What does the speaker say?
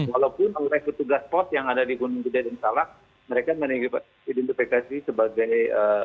walaupun oleh ke tujuh belas pos yang ada di gunung budaya dan salak mereka menerima identifikasi sebagai